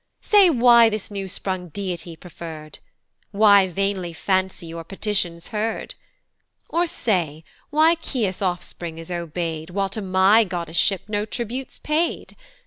"Say why this new sprung deity preferr'd? "Why vainly fancy your petitions heard? "Or say why Caeus offspring is obey'd, "While to my goddesship no tribute's paid?